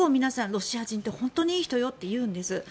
ロシア人って本当にいい人よって言うんです。